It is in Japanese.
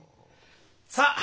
さあ！